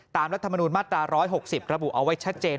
รัฐมนูลมาตรา๑๖๐ระบุเอาไว้ชัดเจน